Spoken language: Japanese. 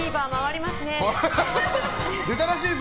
出たらしいぞ！